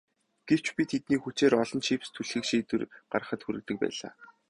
Гэвч би тэднийг хүчээр олон чипс түлхэх шийдвэр гаргахад хүргэдэг байлаа.